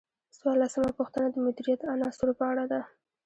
څوارلسمه پوښتنه د مدیریت د عناصرو په اړه ده.